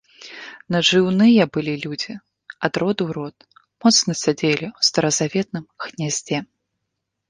Нажыўныя былі людзі ад роду ў род, моцна сядзелі ў старазаветным гняздзе.